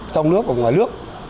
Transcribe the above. trong nước và ngoài nước